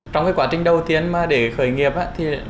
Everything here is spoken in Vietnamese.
trong cái quá trình đầu tiên mà để khởi nghiệp á